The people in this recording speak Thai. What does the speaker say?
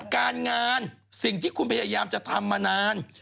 การงานสิ่งที่คุณพยายามจะทำมานาน